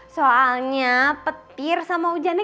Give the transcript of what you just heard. soalnya petir sama hujannya